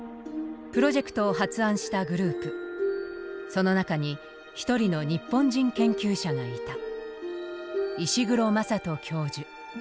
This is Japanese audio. プロジェクトを発案したグループその中に一人の日本人研究者がいた。